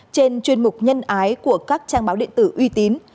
trên chuyên mục nhân ái của các trang báo điện tử uy tín